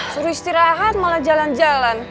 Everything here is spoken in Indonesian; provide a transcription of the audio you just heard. suruh istirahat malah jalan jalan